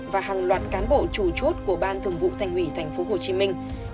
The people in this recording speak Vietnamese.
và hàng loạt cán bộ chủ chốt của ban thường vụ thành ủy tp hồ chí minh